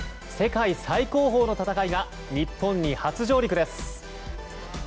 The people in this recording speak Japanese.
世界最高峰の戦いが日本に初上陸です。